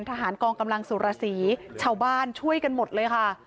ทหารกองกำลังสุรสีชาวบ้านช่วยกันหมดเลยค่ะ